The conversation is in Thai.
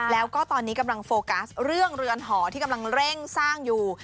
แล้วก็ตอนนี้กำลังโฟกัสเรื่องเรือนหอที่กำลังเร่งสร้างอยู่